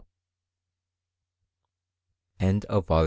END OF VOL.